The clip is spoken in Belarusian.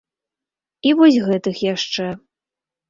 І вось гэтых яшчэ.